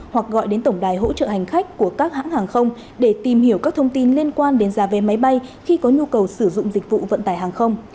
hoặc gọi đến tổng đài hỗ trợ hành khách của các hãng hàng không để tìm hiểu các thông tin liên quan đến giá vé máy bay khi có nhu cầu sử dụng dịch vụ vận tải hàng không